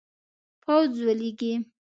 پوځ ولیږي.